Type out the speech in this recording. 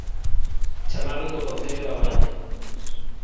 Chamaron do Concello da Baña